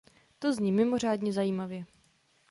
To zní mimořádně zajímavě.